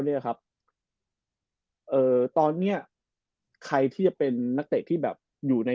เนี่ยครับเอ่อตอนเนี้ยใครที่จะเป็นนักเตะที่แบบอยู่ใน